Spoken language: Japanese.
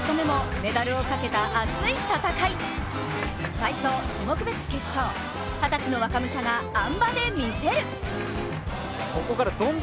体操・種目別決勝、二十歳の若武者があん馬で見せる！